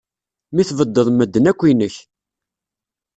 Mi tbeddeḍ medden akk yinek.